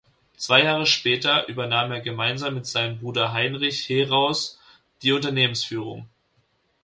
Zwei Jahre später übernahm er gemeinsam mit seinem Bruder Heinrich Heraeus die Unternehmensführung.